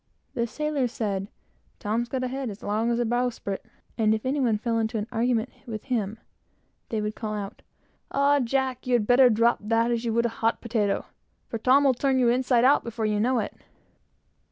The sailors said, "Tom's got a head as long as the bowsprit," and if any one got into an argument with him, they would call out "Ah, Jack! you'd better drop that, as you would a hot potato, for Tom will turn you inside out before you know it."